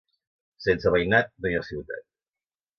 Sense veïnat no hi ha ciutat.